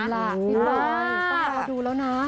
อ๋อเห็นแล้วต้องรอดูแล้วนะ